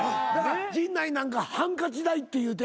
陣内なんかハンカチ代っていうて。